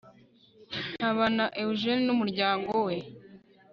ntabana eugene n umuryango we